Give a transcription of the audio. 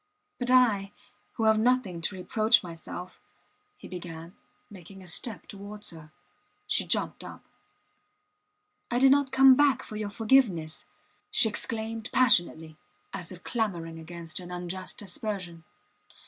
... But I, who have nothing to reproach myself ... He began, making a step towards her. She jumped up. I did not come back for your forgiveness, she exclaimed, passionately, as if clamouring against an unjust aspersion.